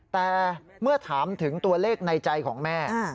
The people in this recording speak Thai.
แต่เมื่อถามถึงตัวเลขในใจของแม่